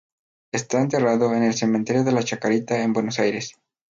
Está enterrado en el cementerio de la Chacarita, en Buenos Aires.